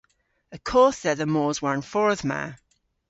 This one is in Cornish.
Y kodh dhedha mos war'n fordh ma.